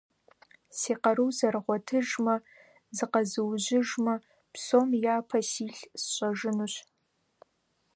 Си къару зэрыгъуэтыжмэ, зыкъэзужьыжмэ, псом япэ силъ сщӀэжынущ.